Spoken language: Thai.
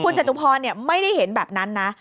จตุพรไม่ได้เห็นแบบนั้นนะ